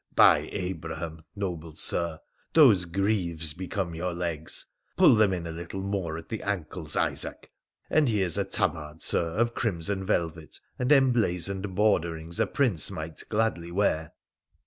' By Abraham ! noble Sir, those greaves become your legs !■— Pull them in a little more at the ankles, Isaac !— And here's a tabard, Sir, of crimson velvet and emblazoned borderings a prince might gladly wear